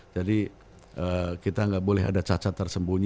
jadi kita enggak boleh ada cacat tersembunyi